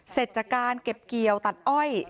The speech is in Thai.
เสร็จจากการเก็บเกี่ยวตัดอ้อย